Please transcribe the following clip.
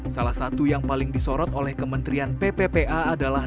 salah satu yang paling disorot oleh kementerian pppa adalah